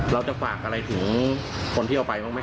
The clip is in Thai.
เราจะฝากอะไรถึงคนที่เอาไปบ้างไหม